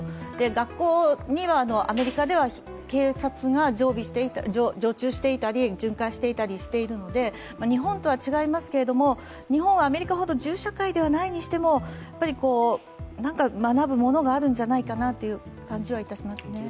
学校にはアメリカでは警察が常駐していたり、巡回していたりするので日本とは違いますけれども日本はアメリカほど銃社会じゃないにしてもやっぱり学ぶものがあるんじゃないかなという感じはいたしますね。